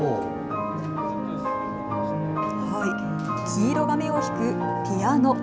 黄色が目を引くピアノ。